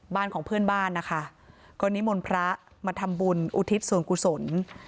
บ้านของเพื่อนบ้านนะคะกรณีมลพระมาทำบุญอุทิศสวรรค์กุศล